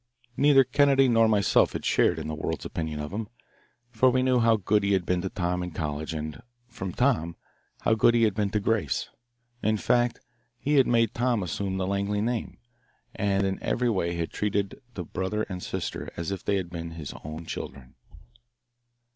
Neither Kennedy nor myself had shared in the world's opinion of him, for we knew how good he had been to Tom in college and, from Tom, how good he had been to Grace. In fact, he had made Tom assume the Langley name, and in every way had treated the brother and sister as if they had been his own children.